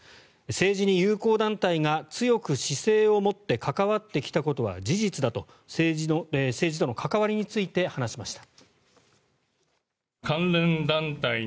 政治に友好団体が強く姿勢を持って関わってきたことは事実だと政治との関わりについて話しました。